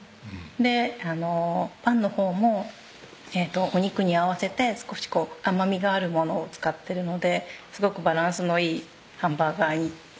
パンのほうもお肉に合わせて少し甘みがあるものを使ってるのですごくバランスのいいハンバーガーにできてるかと思います